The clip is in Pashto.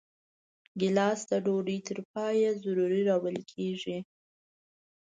ګیلاس د ډوډۍ تر پایه ضرور راوړل کېږي.